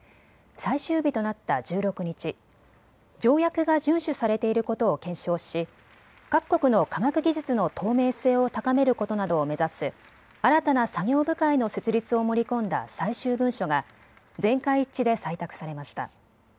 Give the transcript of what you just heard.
最終日となった１６日、条約が順守されていることを検証し各国の科学技術の透明性を高めることなどを目指す新たな作業部会の設立を盛り込んだ最終文書が全会一致で採択されました。